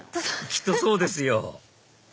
きっとそうですよ